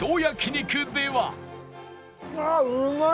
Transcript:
うわうまい！